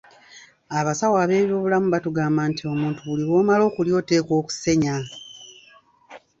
Abasawo ab'ebyobulamu batugamba nti omuntu buli lw'omala okulya oteekwa okusenya.